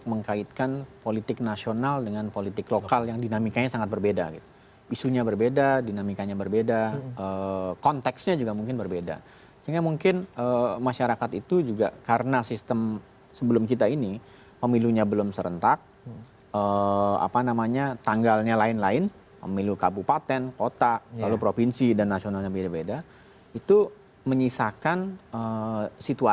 sementara untuk pasangan calon gubernur dan wakil gubernur nomor empat yannir ritwan kamil dan uruzano ulum mayoritas didukung oleh pengusung prabowo subianto